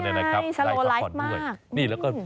นี่สโลไลฟ์มาก